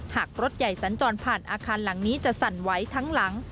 หากรถใหญ่สัญจรผ่านอาคารหลังนี้จะสั่นไว้ทั้งหลัง